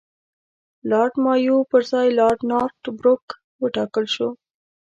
لارډ مایو پر ځای لارډ نارت بروک وټاکل شو.